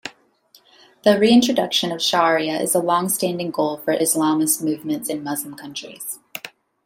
The reintroduction of sharia is a longstanding goal for Islamist movements in Muslim countries.